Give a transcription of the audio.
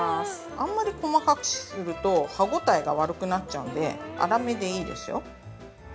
あんまり細かくすると、歯応えが悪くなるので、粗めでいいですよ。